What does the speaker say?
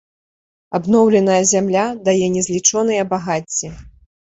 Абноўленая зямля дае незлічоныя багацці.